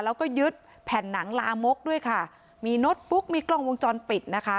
แล้วก็ยึดแผ่นหนังลามกด้วยค่ะมีโน้ตบุ๊กมีกล้องวงจรปิดนะคะ